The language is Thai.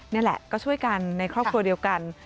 นี่แหละก็ช่วยกันในครอบครัวเดียวกัน